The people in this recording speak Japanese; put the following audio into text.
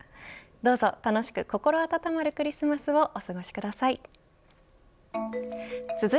どうぞ楽しく、心温まるクリスマスをお過ごしください。